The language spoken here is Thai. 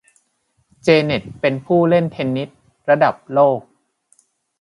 เจเน็ตเป็นผู้เล่นเทนนิสระดับโลก